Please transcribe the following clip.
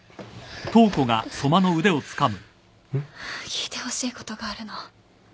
聞いてほしいことがあるの。